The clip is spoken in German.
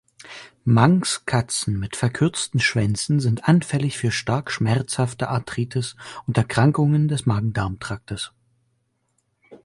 Manx-Katzen mit verkürzten Schwänzen sind anfällig für stark schmerzhafte Arthritis und Erkrankungen des Magen-Darm-Traktes.